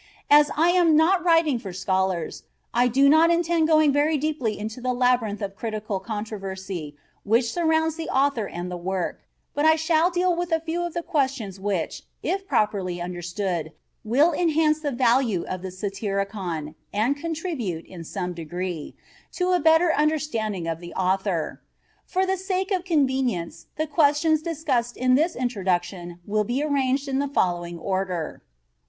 As I am not writing for scholars, I do not intend going very deeply into the labyrinth of critical controversy which surrounds the author and the work, but I shall deal with a few of the questions which, if properly understood, will enhance the value of the Satyricon, and contribute, in some degree, to a better understanding of the author. For the sake of convenience the questions discussed in this introduction will be arranged in the following order: 1.